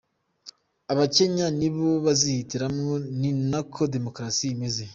Abakenya nibo bazihitiramwo, ni nakwo demokrasi imeze.